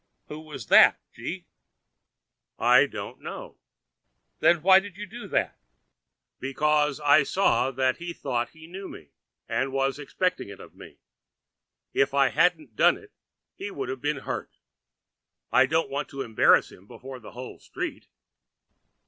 'Who was that, G— ?' 'I don't know.' 'Then why did you do that?' 'Because I saw he thought he knew me and was expecting it of me. If I hadn't done it he would have been hurt. I didn't want to embarrass him before the whole street.'